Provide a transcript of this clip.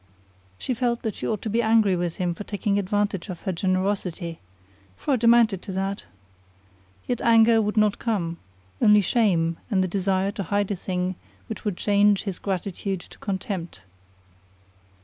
She felt that she ought to be angry with him for taking advantage of her generosity for it amounted to that! Yet anger would not come, only shame and the desire to hide a thing which would change his gratitude to contempt.